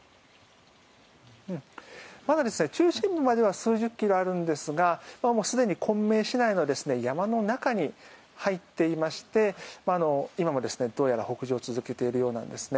まだ中心部までは数十キロあるんですがもうすでに昆明市内の山の中に入っていまして今もどうやら北上を続けているようなんですね。